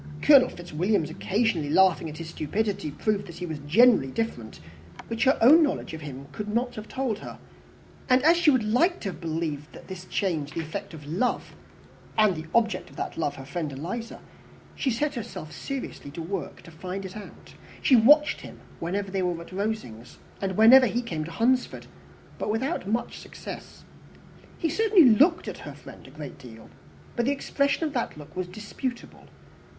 Colonel Fitzwilliam's occasionally laughing at his stupidity proved that he was generally different, which her own knowledge of him could not have told her; and as she would have liked to believe this change the effect of love, and the object of that love her friend Eliza, she set herself seriously to work to find it out: she watched him whenever they were at Rosings, and whenever he came to Hunsford; but without much success. He certainly looked at her friend a great deal, but the expression of that look was disputable.